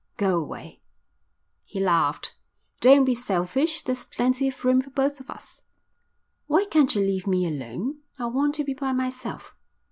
"Go away." He laughed. "Don't be selfish. There's plenty of room for both of us." "Why can't you leave me alone? I want to be by myself."